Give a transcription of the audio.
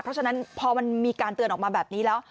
เพราะฉะนั้นพอมันมีการเตือนออกมาแบบนี้แล้ว